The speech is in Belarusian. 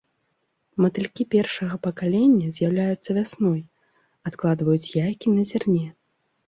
Матылькі першага пакалення з'яўляюцца вясной, адкладваюць яйкі на зерне.